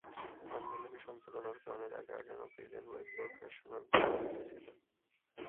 পাণ্ডুলিপি সম্পাদনার কারণে "দ্য গার্ডেন অব ইডেন" বইয়ের প্রকাশনা বিতর্কিত ছিল।